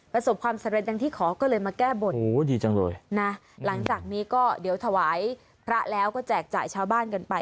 ประสบความสำเร็จดังที่ขอก็เลยมาแก้บนโอ้โหดีจังเลยนะหลังจากนี้ก็เดี๋ยวถวายพระแล้วก็แจกจ่ายชาวบ้านกันไป